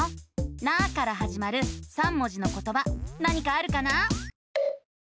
「な」からはじまる３文字のことば何かあるかな？